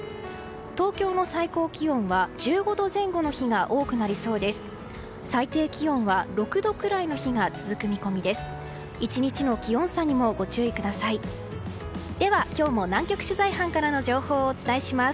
東京の最高気温は１５度前後の日が多くなりそうです。